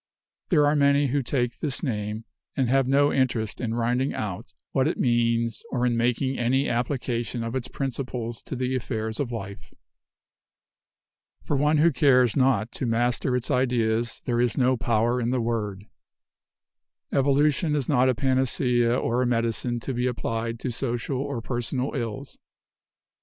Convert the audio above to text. There are many who take this name and have no interest in rinding out what it means or in making any application of its principles to the affairs of life. For one who cares not to master its ideas there is no power in the word. Evolution is not a panacea or a medicine to be applied to social or personal ills.